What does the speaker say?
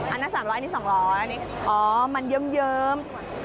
อันหน้าสามร้อยอันนี้สองร้อยอ๋อมันเยิ่ม